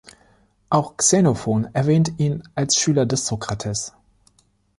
Auch Xenophon erwähnt ihn als Schüler des Sokrates.